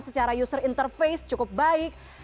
secara user interface cukup baik